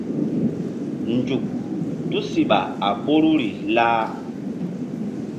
Nzuk tusiɓa a ɓoruri lah.